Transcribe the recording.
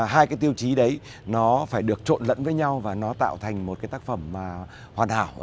hai cái tiêu chí đấy nó phải được trộn lẫn với nhau và nó tạo thành một cái tác phẩm hoàn hảo